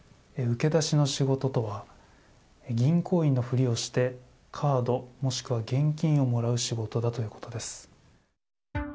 受け出しの仕事とは銀行員のふりをしてカード、もしくは現金をもらう仕事だということです。